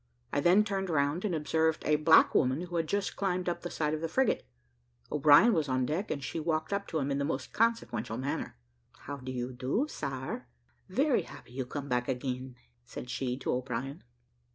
I then turned round, and observed a black woman who had just climbed up the side of the frigate. O'Brien was on deck, and she walked up to him in the most consequential manner. "How do you do, sar? Very happy you come back again," said she to O'Brien.